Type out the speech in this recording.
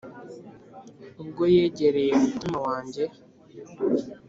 Ubwo yegereye umutima wanjye